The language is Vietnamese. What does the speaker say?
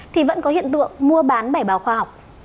thì vẫn có hiện tượng mua bán bẻ báo khoa học